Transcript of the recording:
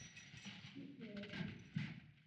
dịka eze